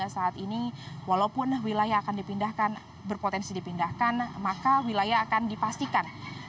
saat ini walaupun wilayah akan dipindahkan berpotensi dipindahkan maka wilayah akan dipastikan